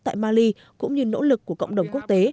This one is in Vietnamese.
tại mali cũng như nỗ lực của cộng đồng quốc tế